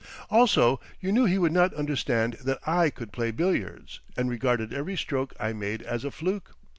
Also you knew he would not understand that I could play billiards, and regarded every stroke I made as a fluke.